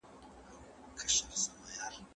دا مسله د نړۍ په ټولو پوهنتونونو کي لیدل کېږي.